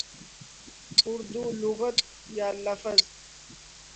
اردو لغت یا لفظ